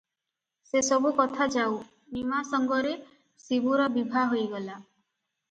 ସେ ସବୁ କଥା ଯାଉ, ନିମା ସଙ୍ଗରେ ଶିବୁର ବିଭା ହୋଇଗଲା ।